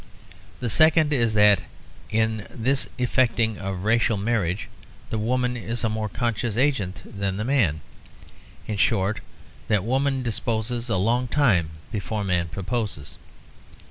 The second is that in this effecting of racial marriages the woman is a more conscious agent than the man. In short, that woman disposes a long time before man proposes.